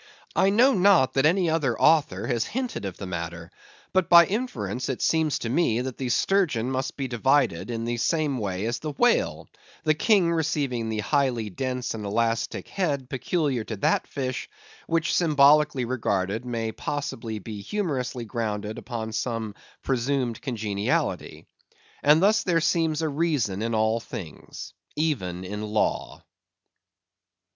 I know not that any other author has hinted of the matter; but by inference it seems to me that the sturgeon must be divided in the same way as the whale, the King receiving the highly dense and elastic head peculiar to that fish, which, symbolically regarded, may possibly be humorously grounded upon some presumed congeniality. And thus there seems a reason in all things, even in law.